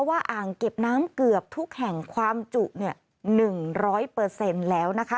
ว่าอ่างเก็บน้ำเกือบทุกแห่งความจุเนี่ยหนึ่งร้อยเปอร์เซ็นต์แล้วนะคะ